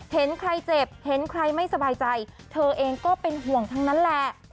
เห็นใครเจ็บเห็นใครไม่สบายใจเธอเองก็เป็นห่วงทั้งนั้นแหละ